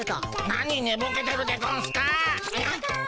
なにねぼけてるでゴンスか。